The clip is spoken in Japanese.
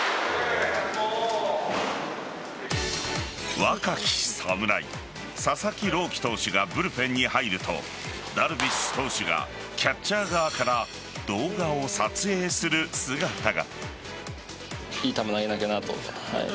若き侍、佐々木朗希投手がブルペンに入るとダルビッシュ投手がキャッチャー側から動画を撮影する姿が。